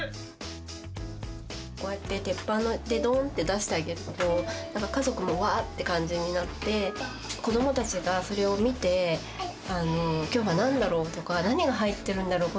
こうやって鉄板でドーンって出してあげると何か家族もわあって感じになって子どもたちがそれを見て今日は何だろう？とか何が入ってるんだろう